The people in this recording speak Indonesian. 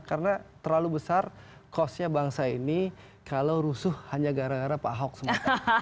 karena terlalu besar costnya bangsa ini kalau rusuh hanya gara gara pak hock semuanya